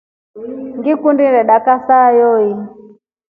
Ngikundi inadakaa saa yoyi.